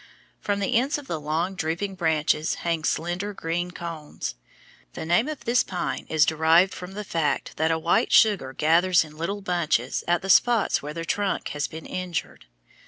From the ends of the long, drooping branches hang slender green cones. The name of this pine is derived from the fact that a white sugar gathers in little bunches at the spots where the trunk has been injured.